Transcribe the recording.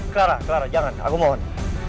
clara clara jangan aku mohon